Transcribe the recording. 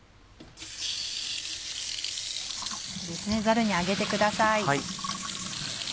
ザルに上げてください。